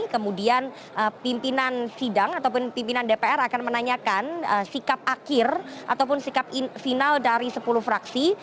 kemudian pimpinan sidang ataupun pimpinan dpr akan menanyakan sikap akhir ataupun sikap final dari sepuluh fraksi